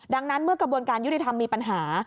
ดังนั้นเมื่อกระบวนการยุติธรรมมีปัญหา